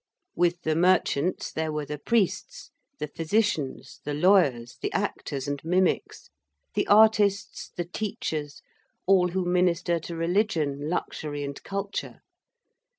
With the merchants, there were the priests, the physicians, the lawyers, the actors and mimics, the artists, the teachers, all who minister to religion, luxury, and culture.